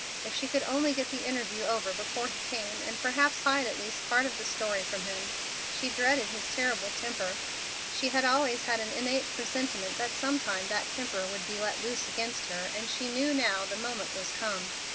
If she could only get the interview over before he came, and perhaps hide at least a part of the story from him! She dreaded his terrible temper. She had always had an innate presentiment that some time that temper would be let loose against her, and she knew now the moment was come.